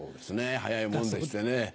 早いものでしてね。